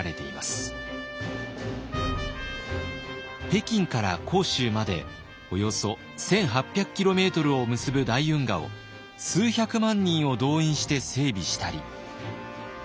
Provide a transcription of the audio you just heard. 北京から杭州までおよそ１，８００キロメートルを結ぶ大運河を数百万人を動員して整備したり。